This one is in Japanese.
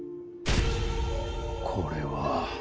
これは。